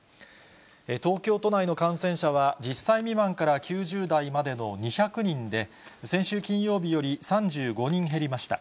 東京都内の感染者は、１０歳未満から９０代までの２００人で、先週金曜日より３５人減りました。